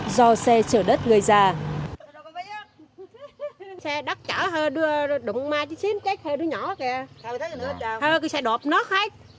do xe chở đất gây dịch